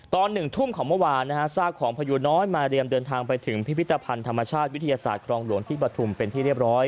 ๑ทุ่มของเมื่อวานนะฮะซากของพยูน้อยมาเรียมเดินทางไปถึงพิพิธภัณฑ์ธรรมชาติวิทยาศาสตร์ครองหลวงที่ปฐุมเป็นที่เรียบร้อย